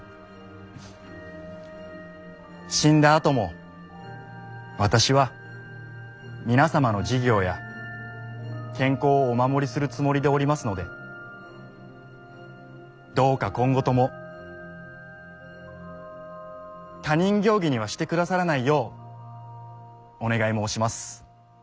死んだあとも私は皆様の事業や健康をお守りするつもりでおりますのでどうか今後とも他人行儀にはしてくださらないようお願い申します。